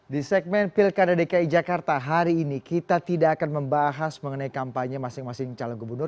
di segmen pilkada dki jakarta hari ini kita tidak akan membahas mengenai kampanye masing masing calon gubernur